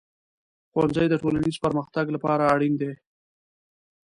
ښوونځی د ټولنیز پرمختګ لپاره اړین دی.